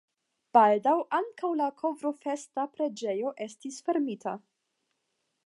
Baldaŭ ankaŭ la Kovrofesta preĝejo estis fermita.